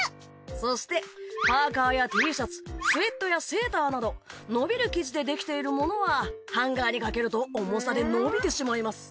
そしてパーカーやＴシャツスウェットやセーターなど伸びるきじでできているものはハンガーにかけると重さで伸びてしまいます。